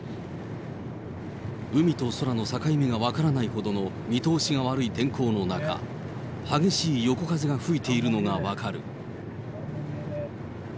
海と空の境目が分からないほどの見通しが悪い天候の中、激しい横風が吹いているのが分かる。